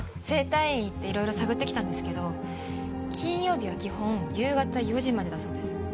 整体院行っていろいろ探って来たんですけど金曜日は基本夕方４時までだそうです。